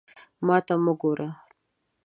ما ته مه ګوره!